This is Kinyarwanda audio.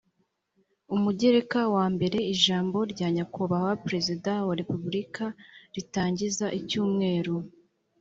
umugereka wa mbere ijambo rya nyakubahwa perezida wa repubulika ritangiza icyumweru